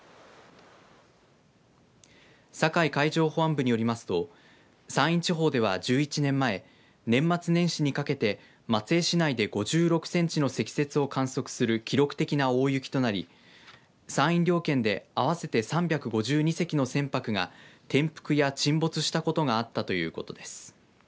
境海上保安部によりますと山陰地方では１１年前年末年始にかけて松江市内で５６センチの積雪を観測する記録的な大雪となり山陰両県で合わせて３５２隻の船舶が転覆や沈没したことがあったということです。